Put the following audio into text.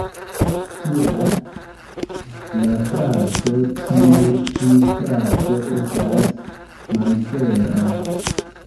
Tial la frazo ""Tiu ĉi frazo estas malvera.